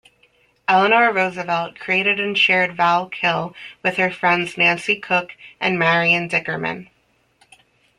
Eleanor Roosevelt created and shared Val-Kill with her friends Nancy Cook and Marion Dickerman.